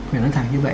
phải nói thẳng như vậy